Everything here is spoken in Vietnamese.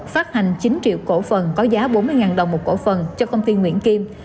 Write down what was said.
phát hành chín triệu cổ phần có giá bốn mươi đồng một cổ phần cho công ty nguyễn kim